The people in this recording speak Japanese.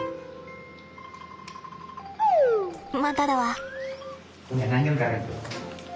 まただわ。